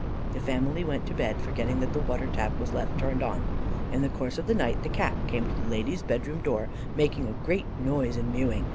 The family went to bed, forgetting that the water tap was left turned on. In the course of the night the Cat came to the lady's bedroom door, making a great noise, mewing.